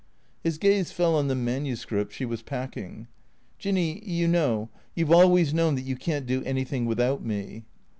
His gaze fell on the manuscript she was packing. " Jinny, you know — you 've always known that you can't do anything without me."